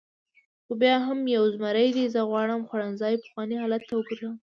خو بیا هم یو زمري دی، زه غواړم خوړنځای پخواني حالت ته وګرځوم.